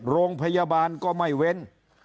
โรงพยาบาลก็ไม่เว้น